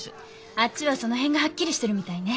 あっちはその辺がはっきりしてるみたいね。